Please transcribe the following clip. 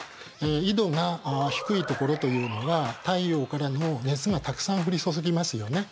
緯度が低い所というのは太陽からの熱がたくさん降り注ぎますよね。